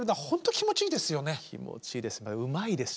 気持ちいいです。